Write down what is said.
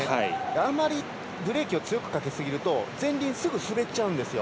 あんまりブレーキを強くかけすぎると前輪がすぐに振れちゃうんですよ。